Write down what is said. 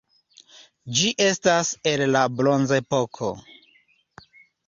Ĝi estas el la bronzepoko.